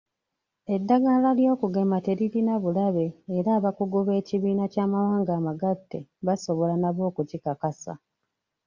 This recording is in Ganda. Eddagala ly'okugema teririna bulabe era abakugu b'ekibiina ky'amawanga amagatte basobola nabo okukikakasa.